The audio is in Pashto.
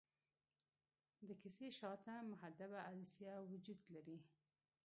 د کسي شاته محدبه عدسیه وجود لري.